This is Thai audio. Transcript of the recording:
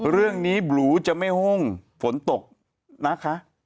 เรื่องนี้บลูจะไม่ห้งฝนตกนะคะ